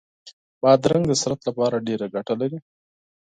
بادرنګ د بدن لپاره ډېره ګټه لري.